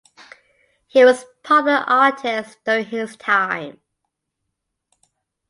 He was popular artist during his time.